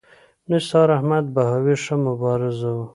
نثار احمد بهاوي ښه مبارز و.